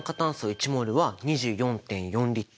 １ｍｏｌは２４．４Ｌ。